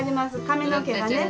髪の毛がねうん。